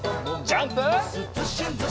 ジャンプ！